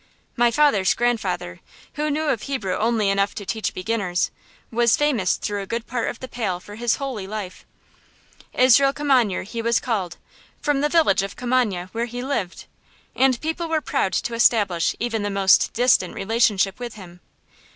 My father's grandfather, who knew of Hebrew only enough to teach beginners, was famous through a good part of the Pale for his holy life. Israel Kimanyer he was called, from the village of Kimanye where he lived; and people were proud to establish even the most distant relationship with him.